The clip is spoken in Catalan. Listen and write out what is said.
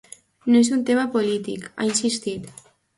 No és un tema polític, ha insistit.